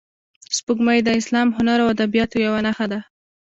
سپوږمۍ د اسلام، هنر او ادبیاتو یوه نښه ده